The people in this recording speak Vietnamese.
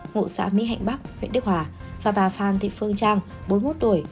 ngụ xã mỹ hạnh bắc huyện đức hòa và bà phan thị phương trang bốn mươi một tuổi